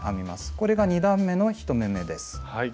これが２段めの１目めです。